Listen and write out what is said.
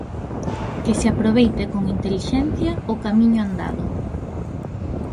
Que se aproveite con intelixencia o camiño andado.